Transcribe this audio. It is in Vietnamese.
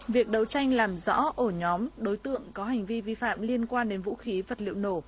việc đấu tranh làm rõ ổ nhóm đối tượng có hành vi vi phạm liên quan đến vũ khí vật liệu nổ